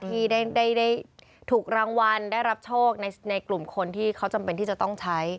ที่ได้ถูกรางวัลได้รับโชคในกลุ่มคนที่เขาจำเป็นที่จะต้องใช้